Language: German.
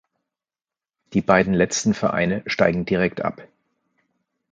Die beiden letzten Vereine steigen direkt ab.